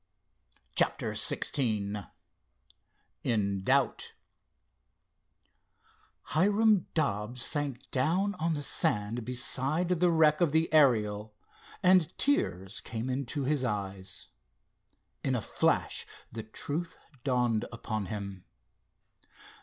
CHAPTER XVI IN DOUBT Hiram Dobbs sank down on the sand beside the wreck of the Ariel and tears came into his eyes. In a flash the truth dawned upon him.